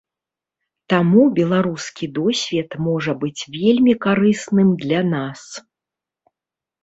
Таму беларускі досвед можа быць вельмі карысным для нас.